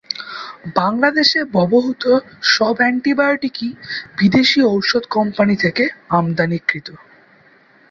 বাংলাদেশে ব্যবহূত সব অ্যান্টিবায়োটিকই বিদেশি ঔষধ কোম্পানি থেকে আমদানিকৃত।